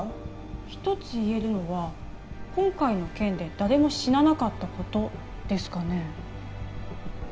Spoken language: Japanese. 一つ言えるのは今回の件で誰も死ななかったことですかね？